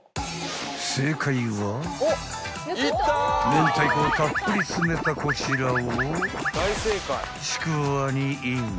［明太子をたっぷり詰めたこちらを］